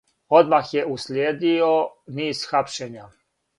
Одмах је услиједио низ хапшења.